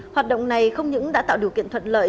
hoạt động này không những đã tạo điều kiện thuận lợi